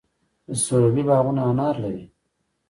د سروبي باغونه انار لري.